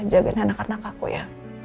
ja gen anak anak aku ya